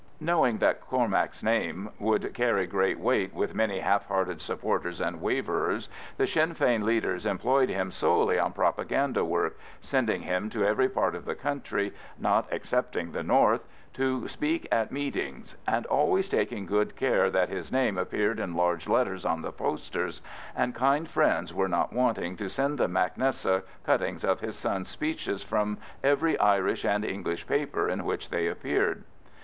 Knowing that Cormac's name would carry great weight with many half hearted supporters and waverers, the Sinn Fein leaders employed him solely on propaganda work, sending him to every part of the country, not excepting the north, to speak at meetings, and always taking good care that his name appeared in large letters on the posters, and kind friends were not wanting to send the mac Nessa cuttings of his son's speeches from every Irish and English paper in which they appeared.